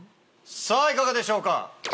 さぁいかがでしょうか？